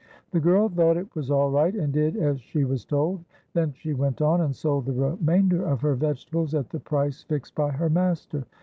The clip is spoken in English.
The girl thought it was all right and did as she was told; then she went on and sold the remainder of her vegetables at the price fixed by her master.